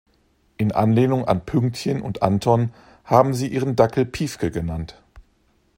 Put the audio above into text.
In Anlehnung an Pünktchen und Anton haben sie ihren Dackel Piefke genannt.